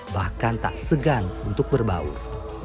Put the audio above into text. bahkan tak segan untuk berbaur